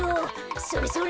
それそれ。